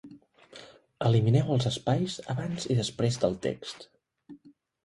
Elimineu els espais abans i després del text.